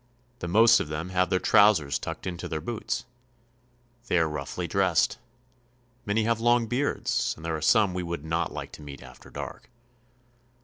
The most of them have their trousers tucked into their boots. They are roughly dressed. Many have long beards, and there are some we would not like to meet after dark.